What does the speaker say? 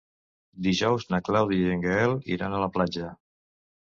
Dijous na Clàudia i en Gaël iran a la platja.